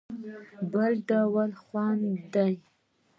بل ډول خوند دی.